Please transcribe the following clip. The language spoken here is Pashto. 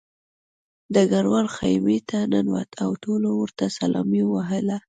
ډګروال خیمې ته ننوت او ټولو ورته سلامي ووهله